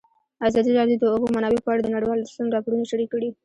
ازادي راډیو د د اوبو منابع په اړه د نړیوالو رسنیو راپورونه شریک کړي.